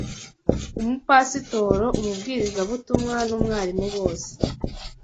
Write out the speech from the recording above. Umupasitoro, umubwirizabutumwa n’umwarimu bose